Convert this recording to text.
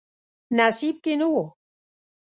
نصیب کې نه و.